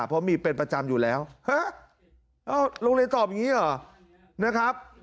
เพราะมีเป็นประจำอยู่แล้วฮะเอ้าโรงเรียนตอบอย่างนี้เหรอนะครับ